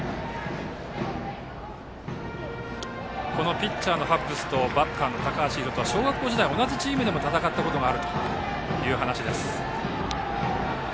ピッチャーのハッブスとバッターの高橋海翔は小学校時代は同じチームで戦ったことがあるという話です。